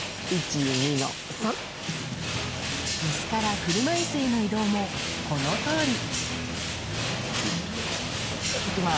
椅子から車椅子への移動もこのとおり。